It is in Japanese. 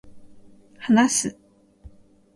話す